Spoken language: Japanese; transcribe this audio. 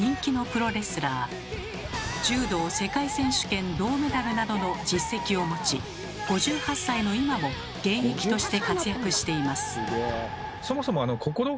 柔道世界選手権銅メダルなどの実績を持ち５８歳の今も現役として活躍しています。